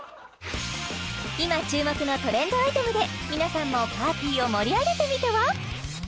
今注目のトレンドアイテムで皆さんもパーティーを盛り上げてみては？